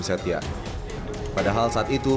setia padahal saat itu